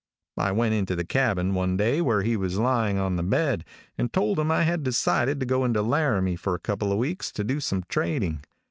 "I went into the cabin one day where he was lying on the bed, and told him I had decided to go into Laramie for a couple of weeks to do some trading.